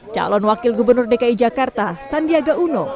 calon wakil gubernur dki jakarta sandiaga uno